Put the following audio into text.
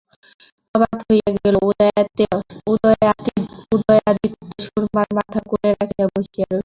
প্রভাত হইয়া গেল, উদয়াদিত্য সুরমার মাথা কোলে রাখিয়া বসিয়া রহিলেন।